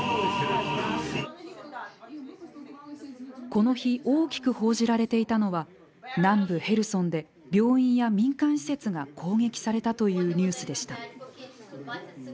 この日大きく報じられていたのは南部ヘルソンで病院や民間施設が攻撃されたというニュースでした。